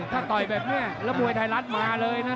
ถ้าต่อยแบบนี้แล้วมวยไทยรัฐมาเลยนะ